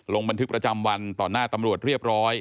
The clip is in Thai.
ลงบันทึกประจำวันต่อหน้าตำรวจเรียบร้อย